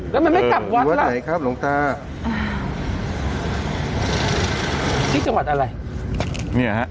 แล้วมันไม่กลับวัดแล้วอยู่วัดไหนครับลงทาที่จังหวัดอะไรเนี้ยฮะ